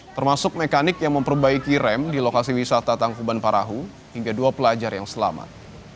termasuk mekanik yang memperbaiki rem di lokasi wisata tangkuban parahu hingga dua pelajar yang selamat